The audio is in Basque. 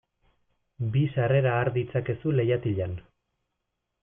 Bi sarrera har ditzakezu leihatilan.